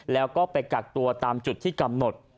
แล้วก็ไปกักตัวตามจุดที่กำหนด